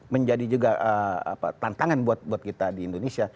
menjadi juga tantangan buat kita di indonesia